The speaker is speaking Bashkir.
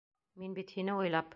Мин бит һине уйлап...